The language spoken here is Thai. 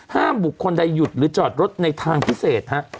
ห้ามบุคคลใดหยุดหรือจอดรถในทางพิเศษ